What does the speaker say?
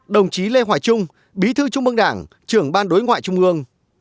đồng chí lê hoài trung bí thư trung mương đảng trưởng ban đối ngoại trung ương